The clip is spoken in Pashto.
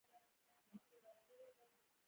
د شخړې سم هوارول روغتیا او ارامۍ ته ګټه رسوي.